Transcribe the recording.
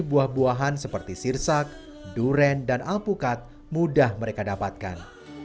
buah buahan seperti sirsak duren dan alpukat mudah mereka dapatkan